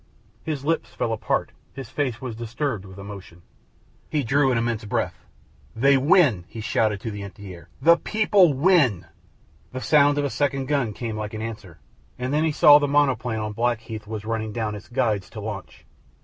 His lips fell apart, his face was disturbed with emotion. He drew an immense breath. "They win," he shouted to the empty air; "the people win!" The sound of a second gun came like an answer. And then he saw the monoplane on Blackheath was running down its guides to launch.